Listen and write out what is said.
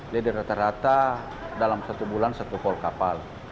jadi rata rata dalam satu bulan satu kol kapal